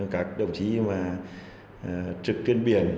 các đồng chí trực trên biển